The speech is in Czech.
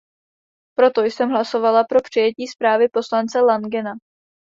Proto jsem hlasovala pro přijetí zprávy poslance Langena.